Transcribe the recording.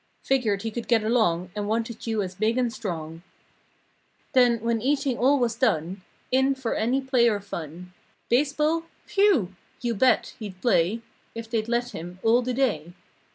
234 Figured he could get along And wanted you as big and strong. Then, when eating all was done— In for any play or fun. Baseball? Whew! You bet. He'd play, If they'd let him all the day.